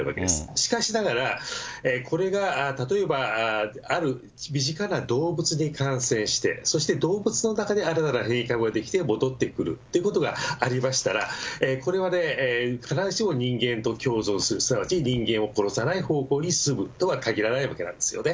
しかしながら、これが例えばある身近な動物に感染して、そして動物の中で新たな変異株が出来て、戻ってくるっていうことがありましたら、これはね、必ずしも人間と共存する、すなわち人間を殺さない方向に進むとはかぎらないわけなんですよね。